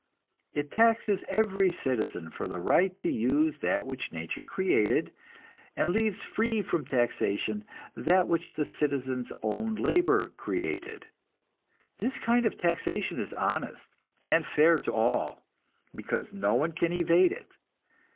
It taxes every citizen for the right to use that which nature created, and leaves free from taxation that which the citizens' own labor created; this kind of taxation is honest, and fair to all, because no one can evade it.